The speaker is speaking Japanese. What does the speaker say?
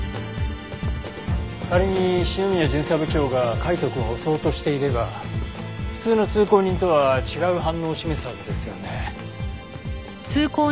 仮に篠宮巡査部長が海斗くんを襲おうとしていれば普通の通行人とは違う反応を示すはずですよね。